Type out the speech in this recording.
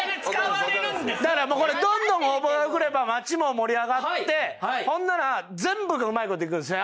だからもうこれどんどん応募が来れば町も盛り上がってほんなら全部がうまい事いくんですよね。